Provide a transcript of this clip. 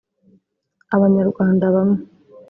Abanyarwanda bamwe